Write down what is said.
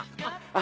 あ！